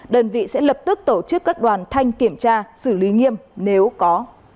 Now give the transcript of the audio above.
đơn vị sẽ lập tức tổ chức các đoàn thanh kiểm tra xử lý nghiêm nếu có